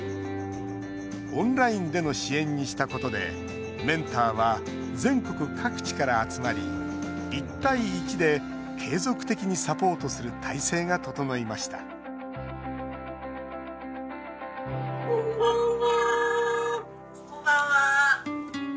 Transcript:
オンラインでの支援にしたことでメンターは、全国各地から集まり１対１で継続的にサポートする体制が整いましたこんばんは。